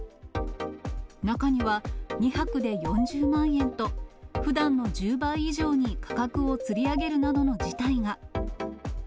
中には、２泊で４０万円と、ふだんの１０倍以上に価格をつり上げるなどの事態が。